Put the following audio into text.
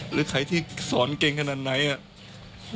หรือใครที่สอนเก่งขนาดไหนอ่ะ